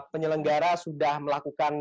penyelenggara sudah melakukan